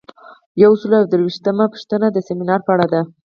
یو سل او یو دیرشمه پوښتنه د سمینار په اړه ده.